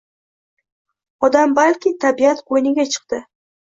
Odam balki tabiat qoʻyniga chiqdi